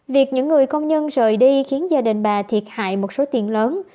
việc những người công nhân rời đi khiến gia đình bà thiệt hại một số tiền lớn